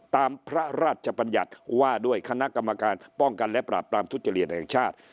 ตามพระราชบัญญัติว่าด้วยคณะกรรมการป้องกันและปราบปรามทุจริตแห่งชาติ